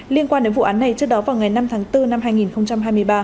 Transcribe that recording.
liên quan đến vụ án này trước đó vào ngày năm tháng bốn năm hai nghìn hai mươi ba